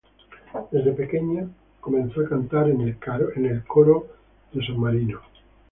Desde pequeña comenzó a cantar en el coro de San Marino.